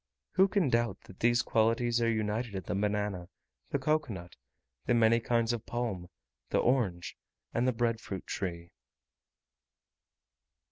Who can doubt that these qualities are united in the banana, the cocoa nut, the many kinds of palm, the orange, and the bread fruit tree?